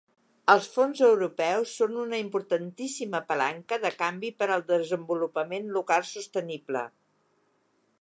Els fons europeus són una importantíssima palanca de canvi per al desenvolupament local sostenible.